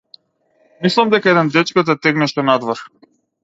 Мислам дека еден дечко те тегнеше надвор.